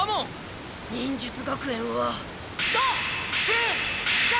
忍術学園はどっちだ！